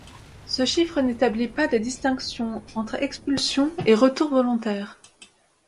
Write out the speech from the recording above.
Ce chiffre n'établit pas de distinction entre expulsions et retours volontaires.